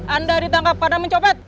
anda ditangkap pada mencopet